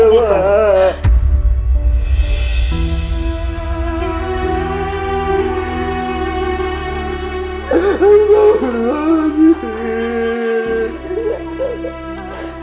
aku gak mungkin buta pa